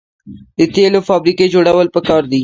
د تیلو فابریکې جوړول پکار دي.